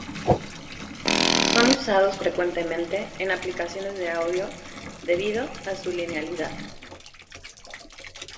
Son usados frecuentemente en aplicaciones de audio debido a su linealidad.